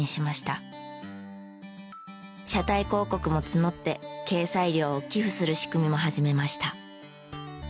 車体広告も募って掲載料を寄付する仕組みも始めました。